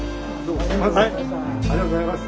ありがとうございます。